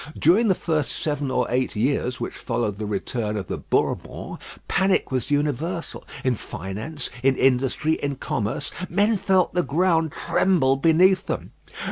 During the first seven or eight years which followed the return of the Bourbons, panic was universal in finance, in industry, in commerce, men felt the ground tremble beneath them.